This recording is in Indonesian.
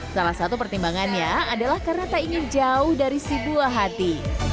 salah satu pertimbangannya adalah karena tak ingin jauh dari si buah hati